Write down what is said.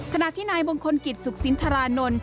ขณะที่นายบงคลกิจสุขศิลป์ธารานนท์